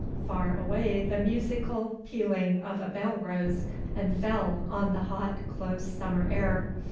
Far away the musical pealing of a bell rose and fell on the hot, close summer air.